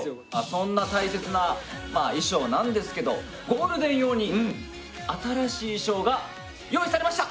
そんな大切な衣装なんですけどゴールデン用に新しい衣装が用意されました！